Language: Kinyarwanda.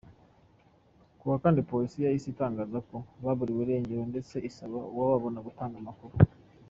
Kuwa Kane polisi yahise itangaza ko baburiwe irengero ndetse isaba uwababona gutanga amakuru.